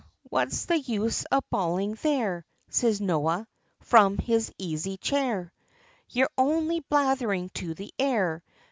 what's the use of bawlin' there?" siz Noah, from his aisy chair, "Yer only blatherin to the air!